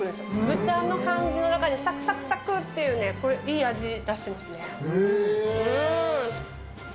豚の感じの中にさくさくさくっていう、これ、いい味出してますね。